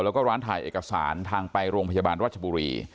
และร้านถ่ายเอกสารทางใปรวงพจบรรทรัชบุรี